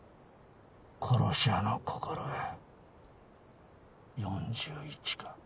殺し屋の心得４１か。